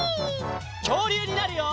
きょうりゅうになるよ！